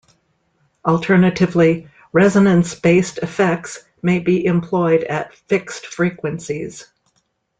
Alternatively, resonance based effects may be employed at fixed frequencies.